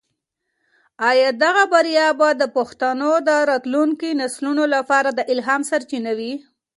آیا دغه بریا به د پښتنو د راتلونکي نسلونو لپاره د الهام سرچینه وي؟